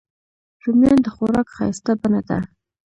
رومیان د خوراک ښایسته بڼه ده